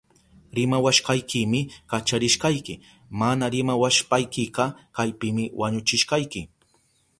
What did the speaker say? Rimawashpaykimi kacharishkayki. Mana rimawashpaykika kaypimi wañuchishkayki.